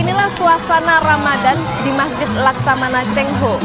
beginilah suasana ramadan di masjid laksamana cengho